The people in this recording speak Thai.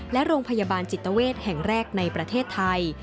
และโรงพยาบาลจิตเวชแห่งแรกในประเทศไทย